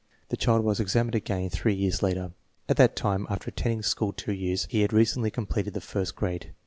The child was examined again three years later. At that time, after attending school two years, he had recently completed the first grade.